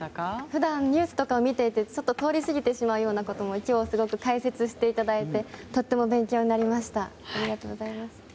普段ニュースとかを見ていて通り過ぎてしまうようなことも今日は解説していただいてとても勉強になりました。